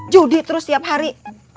judi terus tiap hari